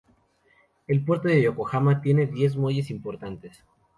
El Puerto de Yokohama tiene diez muelles importantes.